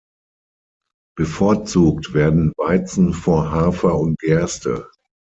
Bevorzugt werden Weizen vor Hafer und Gerste.